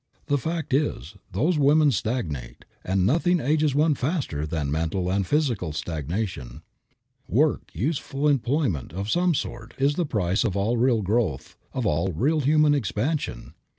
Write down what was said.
The fact is those women stagnate, and nothing ages one faster than mental and physical stagnation. Work, useful employment of some sort, is the price of all real growth, of all real human expansion.